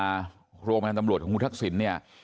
โรงพยาบาลตำรวจของคุณทักษิณเนี่ย